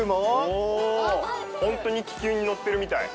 おお、本当に気球に乗ってるみたい。